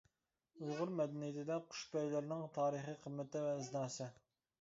ئۇيغۇر مەدەنىيىتىدە قۇش پەيلىرىنىڭ تارىخىي قىممىتى ۋە ئىزناسى.